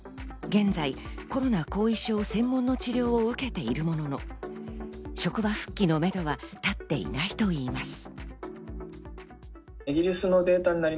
現在、コロナ後遺症専門の治療を受けているものの、職場復帰のめどは立っていないと言います。